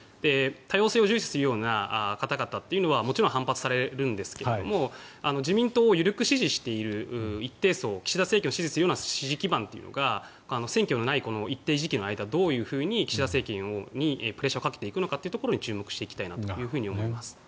多様性を重視するような方々はもちろん反発されるんですが自民党を緩く支持している一定層岸田政権を支持するような支持基盤というのが選挙のない一定時期の間どう岸田政権にプレッシャーをかけていくかというところに注目していきたいなと思います。